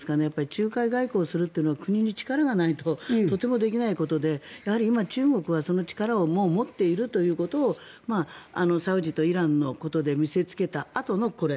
仲介外交をするっていうのは国に力がないととてもできないことでやはり今、中国はその力をもう持っているということをサウジとイランのことで見せつけたあとのこれ。